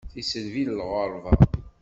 Tiselbi n lɣerba.